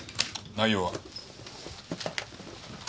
内容は？